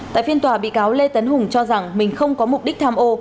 tại phiên tòa bị cáo lê tấn hùng cho rằng mình không có mục đích tham ô